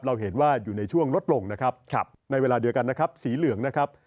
เราเห็นว่าอยู่ในช่วงลดลงนะครับในเวลาเดียวกันนะครับสีเหลืองนะครับ